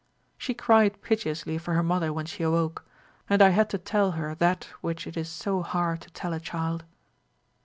She cried piteously for her mother when she awoke, and I had to tell her that which it is so hard to tell a child.